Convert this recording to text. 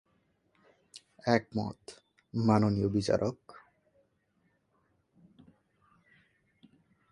একমত, মাননীয় বিচারক।